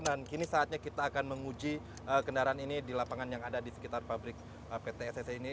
kini saatnya kita akan menguji kendaraan ini di lapangan yang ada di sekitar pabrik pt sse ini